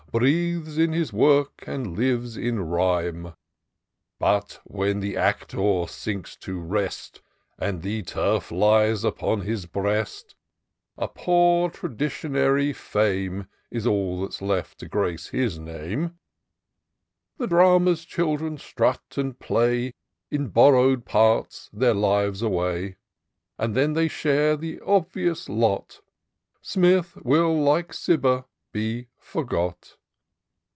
Breathes in liis works and lives in rhyme ; But, when the actor sinks to rest. And the turf lies upon his breast, A poor traditionary fame Is all that's left to grace his name* The Drama's children strut and play, In borrow'd parts, their lives away ; And then they share the obvious lot ; S^nith will, like Cibber, be forgot